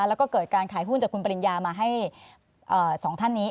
แล้วก็เกิดการขายหุ้นจากคุณปริญญามาให้๒ท่านนี้